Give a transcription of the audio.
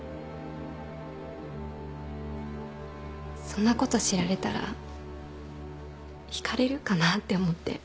そんなこと知られたら引かれるかなって思って。